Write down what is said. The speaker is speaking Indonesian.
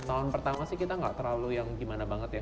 tahun pertama sih kita nggak terlalu yang gimana banget ya